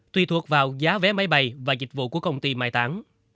tùy thuộc vào giá vé máy bay và dịch vụ của công ty mai táng